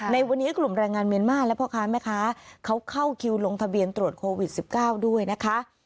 ในวันนี้กลุ่มแรงงานเมียนมาร์และพ่อค้าแม่ค้าเขาเข้าคิวลงทะเบียนตรวจโควิด๑๙ด้วยนะคะ